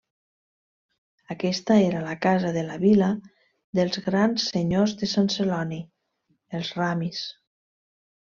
Aquesta era la casa de la vila dels grans senyors de Sant Celoni, els Ramis.